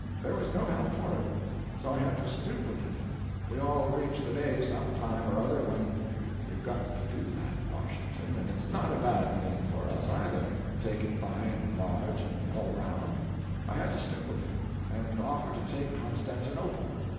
There was no help for it, so I had to stoop a little—we all reach the day some time or other when we've got to do that, Washington, and it's not a bad thing for us, either, take it by and large and all around—I had to stoop a little and offer to take Constantinople.